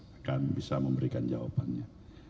akan bisa memberikan jawabannya